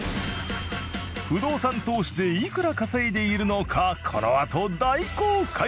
不動産投資でいくら稼いでいるのかこのあと大公開！